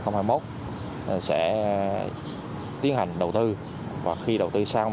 cái quan điểm là đầu năm hai nghìn hai mươi một sẽ tiến hành đầu tư và khi đầu tư xong